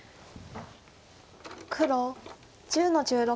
黒１０の十六。